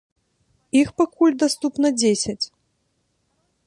Іх пакуль даступна дзесяць.